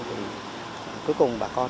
thì cuối cùng bà con